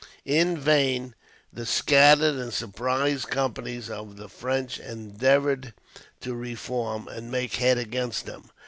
In vain, the scattered and surprised companies of the French endeavoured to reform, and make head against them.